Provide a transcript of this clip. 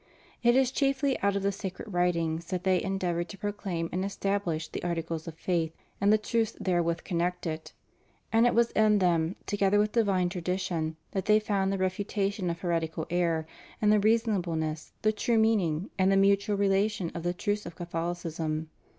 It is chiefly out of the sacred writings that they endeavored to proclaim and establish the Articles of Faith and the truths therewith connected, and it was in them, together with divine tra dition, that they found the refutation of heretical error, and the reasonableness, the true meaning, and the mutual relation of the truths of Catholicism.